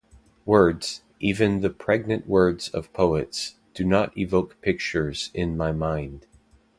Words, even the pregnant words of poets, do not evoke pictures in my mind.